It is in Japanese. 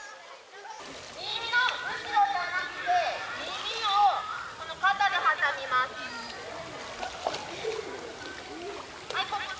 耳の後ろじゃなくて、耳をこの肩で挟みます。